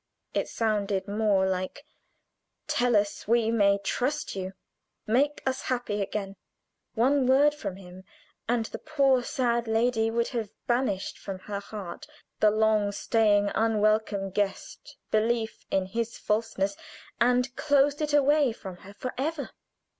It sounded more like, "Tell us we may trust you; make us happy again!" One word from him, and the poor sad lady would have banished from her heart the long staying, unwelcome guest belief in his falseness, and closed it away from her forever.